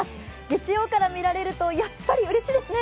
月曜から見られるとやっぱりうれしいですね。